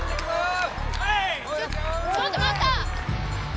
ちょっちょっと待った！